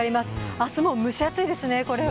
明日も蒸し暑いですね、これは。